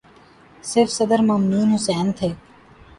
صرف صدر ممنون حسین تھے۔